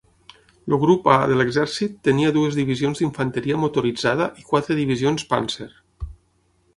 El grup A de l'exèrcit tenia dues divisions d'infanteria motoritzada i quatre divisions "panzer".